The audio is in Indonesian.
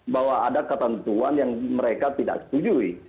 bahwa ada ketentuan yang mereka tidak setujui